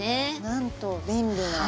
なんと便利な。